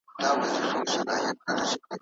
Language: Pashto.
د اولادونو د زده کړو اړوند دي زيات کوښښ وسي.